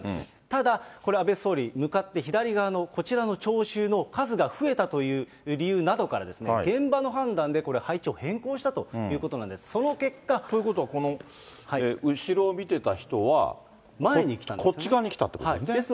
ただこれ安倍総理、向かって左側の、こちらの聴衆の数が増えたという理由などから、現場の判断で、これ、配置を変更したということなんです。ということは、この後ろを見てた人は、こっち側に来たということですね。